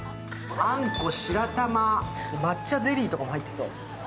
あんこ、白玉、抹茶ゼリーとか入ってそう。